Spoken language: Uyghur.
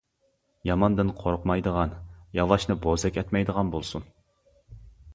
ياماندىن قورقمايدىغان، ياۋاشنى بوزەك ئەتمەيدىغان بولسۇن.